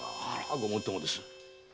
ごもっともです。